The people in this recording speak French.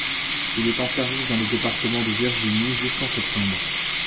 Il est en service dans le département de Virginie jusqu'en septembre.